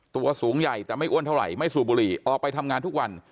ตัวสูงใหญ่แต่ไม่อ้วนเท่าไหร่ไม่สูบบุหรี่ออกไปทำงานทุกวัน